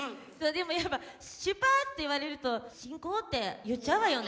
でもやっぱ「出発」って言われると「進行」って言っちゃうわよね。